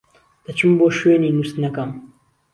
دەچم بۆ شوێنی نوستنەکەم.